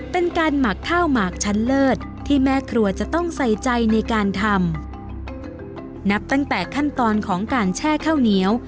เป็นการหมักข้าวหมากชั้นเลิศที่แม่ครัวจะต้องใส่ใจในการทำนับตั้งแต่ขั้นตอนของการแช่ข้าวเหนียว